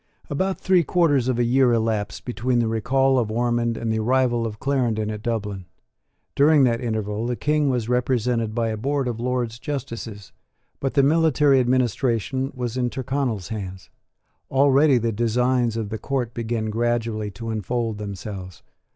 About three quarters of a year elapsed between the recall of Ormond and the arrival of Clarendon at Dublin. During that interval the King was represented by a board of Lords Justices: but the military administration was in Tyrconnel's hands. Already the designs of the court began gradually to unfold themselves.